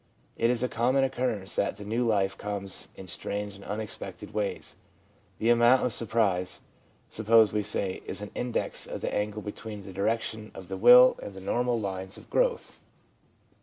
It is a common occurrence that the new life comes in strange and unexpected ways ; the amount of sur prise, suppose we say, is an index of the angle between the direction of the will and the normal lines of growth.